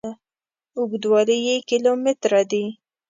اوږدوالي یې کیلو متره دي.